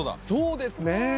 そうですね。